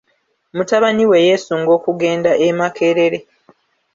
Mutabani we yeesunga okugenda e Makerere.